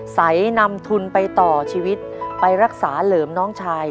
ใสนำทุนไปต่อชีวิตไปรักษาเหลิมน้องชาย